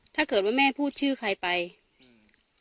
ถ้าเกิดว่าแม่พูดชื่อใครไปอืม